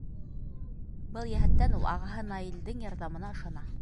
Был йәһәттән ул ағаһы Наилдең ярҙамына ышана.